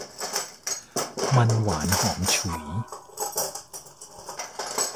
มันหวานหอมฉุย